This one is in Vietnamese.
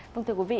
vâng thưa quý vị